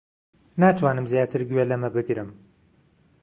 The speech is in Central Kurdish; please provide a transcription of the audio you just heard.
ناتوانم زیاتر گوێ لەمە بگرم.